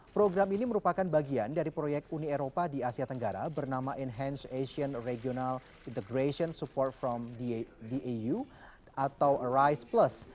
program ini merupakan bagian dari proyek uni eropa di asia tenggara bernama enhance asian regional integration support from dau atau rice plus